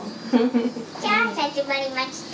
さあ始まりました。